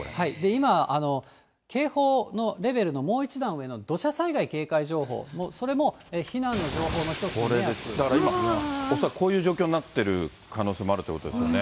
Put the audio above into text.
今、警報のレベルのもう一段上の土砂災害警戒情報、それも避難の情報だから今、恐らくこういう状況になっている可能性もあるということですよね。